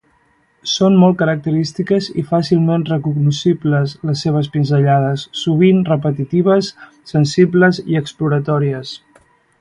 Són molt característiques i fàcilment recognoscibles les seves pinzellades, sovint repetitives, sensibles i exploratòries.